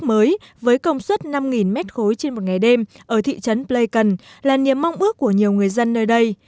một nhà máy nước mới với công suất năm m ba trên một ngày đêm ở thị trấn flaken là niềm mong ước của nhiều người dân nơi đây